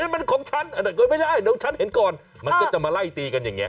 เฮ้ยมันของฉันไม่ได้เดี๋ยวฉันเห็นก่อนมันก็จะมาไล่ตีกันอย่างเงี้ย